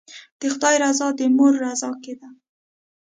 د خدای رضا د مور رضا کې ده.